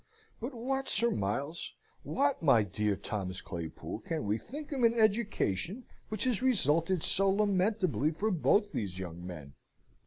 But what, Sir Miles, what, my dear Thomas Claypool, can we think of an education which has resulted so lamentably for both these young men?"